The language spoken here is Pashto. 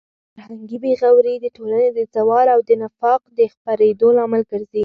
فرهنګي بې غوري د ټولنې د زوال او د نفاق د خپرېدو لامل ګرځي.